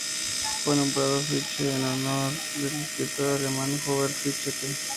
Fue nombrado Fichte en honor del escritor alemán Hubert Fichte.